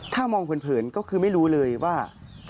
ถ้ามองเผินก็คือไม่รู้เลยว่า